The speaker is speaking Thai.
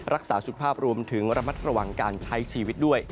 รักษาสุขภาพรวมถึงระมัดระวังการใช้ชีวิตด้วย